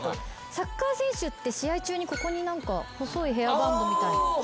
サッカー選手って試合中にここに何か細いヘアバンドみたいな。